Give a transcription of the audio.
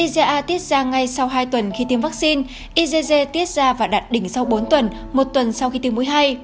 iga tiết ra ngay sau hai tuần khi tiêm vaccine igg tiết ra và đặt đỉnh sau bốn tuần một tuần sau khi tiêm mũi hay